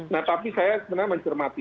nah tapi saya sebenarnya mencermati